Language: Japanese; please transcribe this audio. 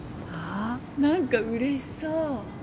あぁ何かうれしそう。